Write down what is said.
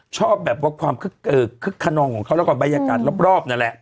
ชอบแบบว่าความคึกคึกขนองของเขาแล้วก็บรรยากาศรอบนั่นแหละ